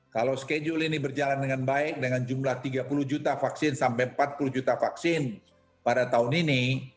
kalau schedule ini berjalan dengan baik dengan jumlah tiga puluh juta vaksin sampai empat puluh juta vaksin pada tahun ini